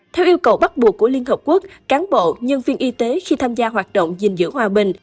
theo yêu cầu bắt buộc của liên hợp quốc cán bộ nhân viên y tế khi tham gia hoạt động gìn giữ hòa bình